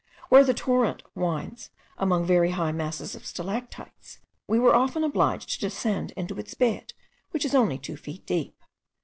Where the torrent winds among very high masses of stalactites, we were often obliged to descend into its bed, which is only two feet deep.